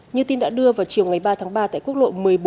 như tin đã đưa vào chiều ngày ba tháng ba tại quốc lộ một mươi bốn